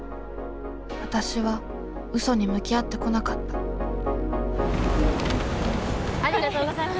わたしは嘘に向き合ってこなかったありがとうございます。